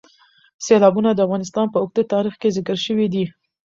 سیلابونه د افغانستان په اوږده تاریخ کې ذکر شوي دي.